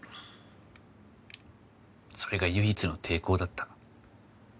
それが唯一の抵抗だった。